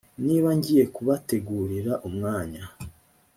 niba ngiye kubategurira umwanya